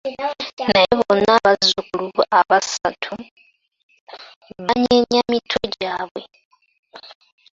Naye bonna abazukulu abasaatu banyenya mitwe gyabwe.